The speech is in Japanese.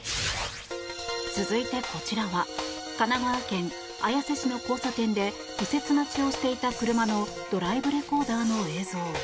続いて、こちらは神奈川県綾瀬市の交差点で右折待ちをしていた車のドライブレコーダーの映像。